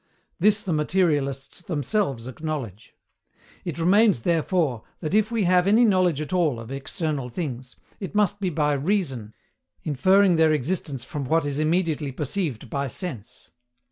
This the materialists themselves acknowledge. It remains therefore that if we have any knowledge at all of external things, it must be by REASON, inferring their existence from what is immediately perceived by sense.